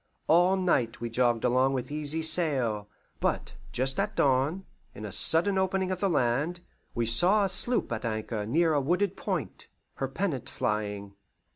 All night we jogged along with easy sail, but just at dawn, in a sudden opening of the land, we saw a sloop at anchor near a wooded point, her pennant flying.